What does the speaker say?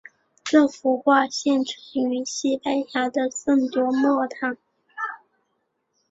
这幅画现存于西班牙的圣多默堂。